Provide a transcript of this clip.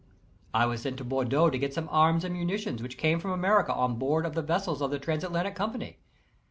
I was sent to Bordeaux to get some arms and muni tions which came from America on board of the vessels >5 of the Transatlantic Company.